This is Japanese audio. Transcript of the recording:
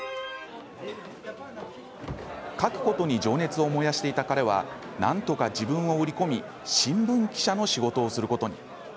書くことに情熱を燃やしていた彼はなんとか自分を売り込み新聞記者の仕事をすることに。